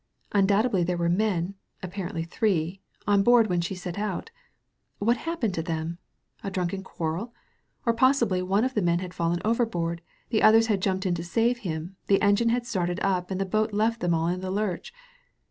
Undoubtedly there were men — apparently three — on board when she set out. What had hap pened to them? A drunken quarrel? Or possibly one of the men had fallen overboard; the others had jumped in to save him; the engine had started up and the boat left them all in the lurch.